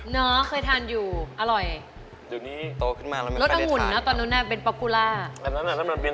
เนอะเคยทานอยู่อร่อยรสองุ่นนะตอนนั้นเป็นปลอปพูล่าสตรอบโบรี